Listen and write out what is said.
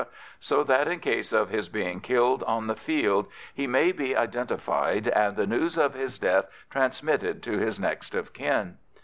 so that in case of his being killed on the field he can be identified and the news of his death transmitted to his next of kin.